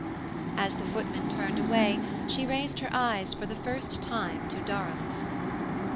As the footman turned away, she raised her eyes for the first time to Durham's.